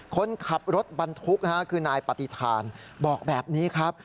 คนขับรถบรรทุกคือนายปฏิฐานบอกแบบนี้ครับ